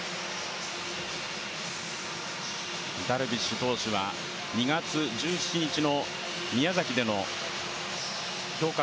ダルビッシュ投手は２月１７日の宮崎での強化